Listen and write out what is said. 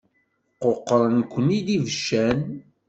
Quqṛen-ken-id ibeccan.